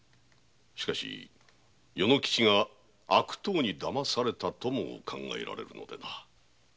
しかし与之吉が悪党にだまされたとも考えられるのでな。